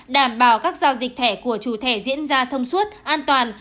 đảm bảo các giao dịch thẻ của chủ thẻ diễn ra thông suốt an toàn